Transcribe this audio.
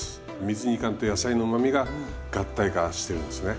水煮缶と野菜のうまみが合体化してるんですね。